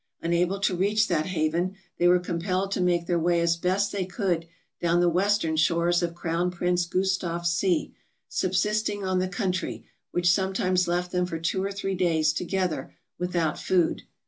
Unable to reach that haven, they were compelled to make their way as best they could down the western shores of Crown Prince Gustav Sea, subsisting on the country, which sometimes left them for two or three days together without food.